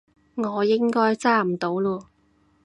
我應該揸唔到嚕